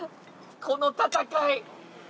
この戦い。